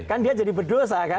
kan dia jadi berdosa kan